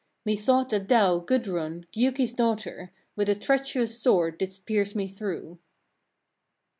Methought that thou, Gudrun! Giuki's daughter! with a treacherous sword didst pierce me through."